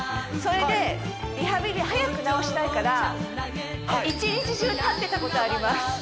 それでリハビリ早く治したいから一日中立ってたことあります